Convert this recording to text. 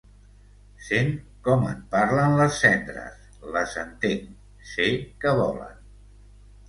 Sent com em parlen les cendres, les entenc, sé què volen.